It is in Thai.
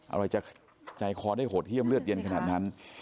อะไรจะใจคอได้โหดเยี่ยมเลือดเย็นขนาดนั้น